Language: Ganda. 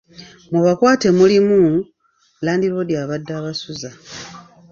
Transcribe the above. Mu bakwate mulimu; Landiroodi abadde abasuza.